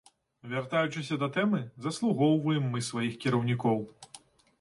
Вяртаючыся да тэмы, заслугоўваем мы сваіх кіраўнікоў.